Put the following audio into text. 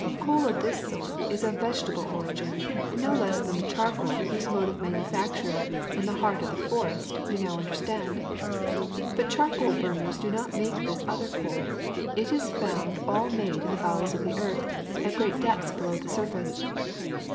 Coal of this sort is of vegetable origin, no less than the charcoal whose mode of manufacture in the heart of the forest you 116 THE SECRET OF EVERYDAY THINGS now understand. But charcoal burners do not make this other coal ; it is found all made in the bowels of the earth, at great depths below the surface.